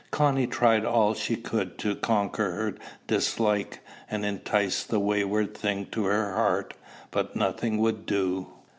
Connie tried all she could to conquer her dislike, and entice the wayward thing to her heart; but nothing would do.